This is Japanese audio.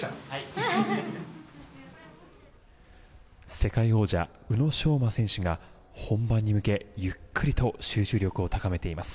世界王者、宇野昌磨選手が本番に向け、ゆっくりと集中力を高めています。